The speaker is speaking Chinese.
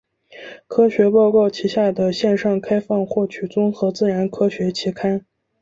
科学报告旗下的线上开放获取综合自然科学期刊。